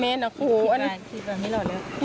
แม่น่ะโกน